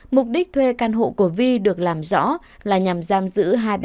mục đích thuê căn hộ của vi được làm rõ là nhằm giam giữ hai bé